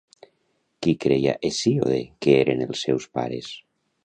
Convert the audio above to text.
Qui creia Hesíode que eren els seus pares?